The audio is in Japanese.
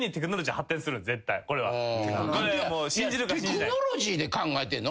テクノロジーで考えてるの？